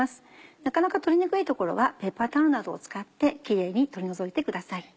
なかなか取りにくい所はペーパータオルなどを使ってキレイに取り除いてください。